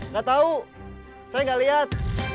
gak tau saya gak liat